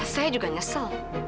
saya juga nyesel